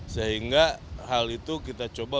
sehingga hal itu kita coba